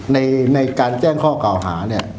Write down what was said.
ในการแจ้งข้อกล่าวหาเนี่ย